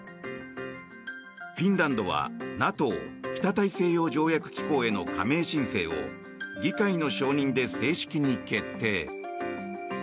フィンランドはＮＡＴＯ・北大西洋条約機構への加盟申請を議会の承認で正式に決定。